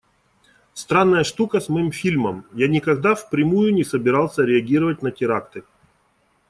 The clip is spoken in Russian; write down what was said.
Странная штука с моим фильмом – я никогда впрямую не собирался реагировать на теракты.